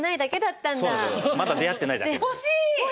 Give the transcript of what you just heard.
まだ出会ってないだけ。